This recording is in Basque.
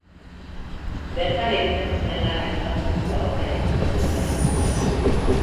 Bertan egiten duten lana ezagutzeko aukera izango dute entzuleek.